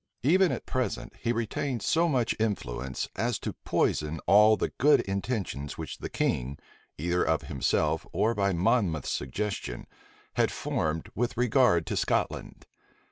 Even at present, he retained so much influence as to poison all the good intentions which the king, either of himself or by Monmouth's suggestion, had formed with regard to Scotland.